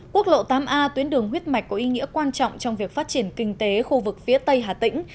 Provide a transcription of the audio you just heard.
quốc lộ tám a tuyến đường huyết mạch có ý nghĩa quan trọng trong việc phát triển kinh tế khu vực phía tây hà tĩnh